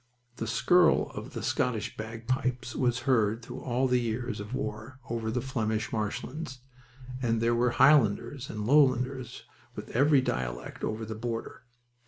The skirl of the Scottish bagpipes was heard through all the years of war over the Flemish marshlands, and there were Highlanders and Lowlanders with every dialect over the border.